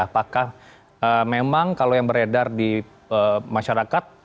apakah memang kalau yang beredar di masyarakat